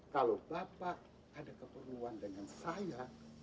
kalau bapak ada keperluan dengan saya